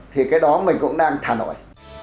thì cái đó mình cũng đang thả nổi